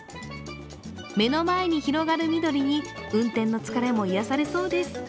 目の前に広がる緑に運転の疲れも癒やされそうです。